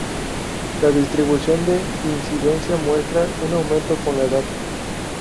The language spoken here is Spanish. La distribución de incidencia muestra un aumento con la edad.